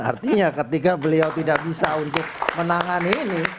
artinya ketika beliau tidak bisa untuk menangani ini